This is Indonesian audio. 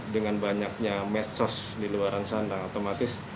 dengan banyaknya mesos di luar sana otomatis